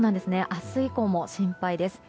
明日以降も心配です。